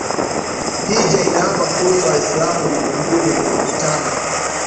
hijja inawapa fursa waislamu ulimwenguni kukutana